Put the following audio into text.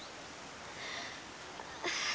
ああ。